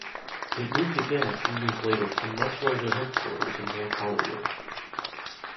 It moved again a few years later to much larger headquarters in North Hollywood.